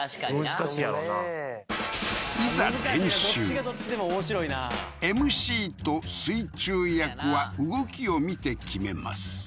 難しいやろないざ練習ＭＣと水中役は動きを見て決めます